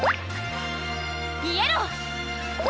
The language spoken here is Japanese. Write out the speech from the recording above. イエロー！